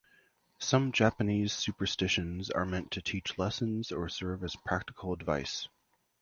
Some Japanese superstitions are meant to teach lessons or serve as practical advice.